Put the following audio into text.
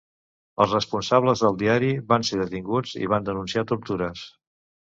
Els responsables del diari van ser detinguts i van denunciar tortures.